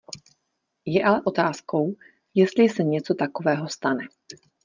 Je ale otázkou, jestli se něco takového stane.